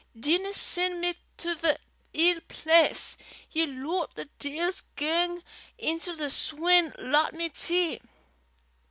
Dinna sen' me to the ill place. Ye loot the deils gang intil the swine, lat me tee."